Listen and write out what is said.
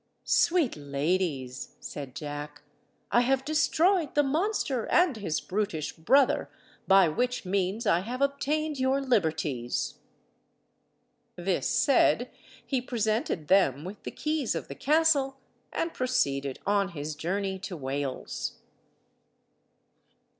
"Sweet ladies," said Jack, "I have destroyed the monster and his brutish brother, by which means I have obtained your liberties." This said, he presented them with the keys of the castle, and proceeded on his journey to Wales.